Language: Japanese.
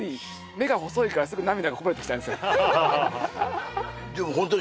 目が細いからすぐ涙がこぼれてきちゃうんですよ